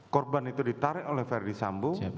korban itu ditarik oleh verdi sambo